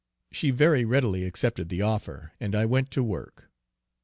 She very readily accepted the offer, and I went to work.